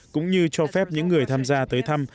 cũng như cho phép những người tham gia tới thăm